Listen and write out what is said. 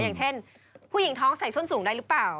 อย่างเช่นผู้หญิงท้องใส่ส้นสูงได้หรือเปล่า